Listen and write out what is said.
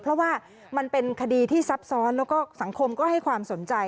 เพราะว่ามันเป็นคดีที่ซับซ้อนแล้วก็สังคมก็ให้ความสนใจ